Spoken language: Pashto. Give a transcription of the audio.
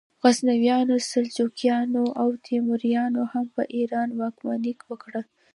غزنویانو، سلجوقیانو او تیموریانو هم په ایران واکمني وکړه.